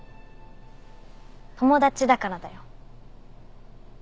友達だからだよ。